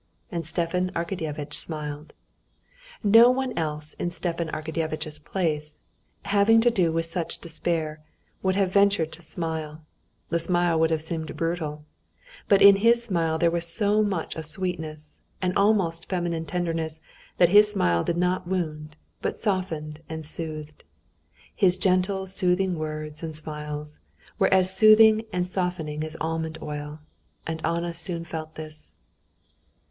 And Stepan Arkadyevitch smiled. No one else in Stepan Arkadyevitch's place, having to do with such despair, would have ventured to smile (the smile would have seemed brutal); but in his smile there was so much of sweetness and almost feminine tenderness that his smile did not wound, but softened and soothed. His gentle, soothing words and smiles were as soothing and softening as almond oil. And Anna soon felt this.